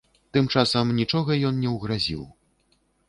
Тым часам нічога ён не ўгразіў.